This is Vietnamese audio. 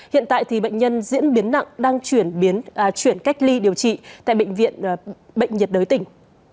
hiện tại thì bệnh nhân diễn biến nặng đang chuyển cách ly điều trị tại bệnh viện bệnh nhiệt đới tỉnh